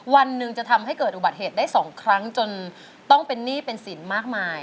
วันหนึ่งจะทำให้เกิดอุบัติเหตุได้๒ครั้งจนต้องเป็นหนี้เป็นสินมากมาย